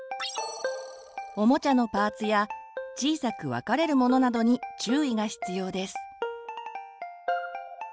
おもちゃのパーツや小さく分かれるものなどに注意が必要です。